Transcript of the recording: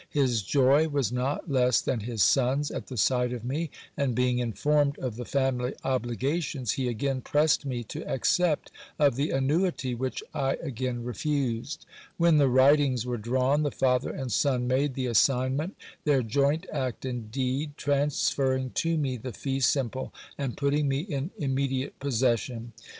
His joy was not less than his son's at the sight of me ; and being informed of the family obligations, he again pressed me to accept of the annuity, which I again refused. When the writings were drawn, the father and son made the assignment their joint act and deed, transferring to me the fee simple, and putting me in immediate possession.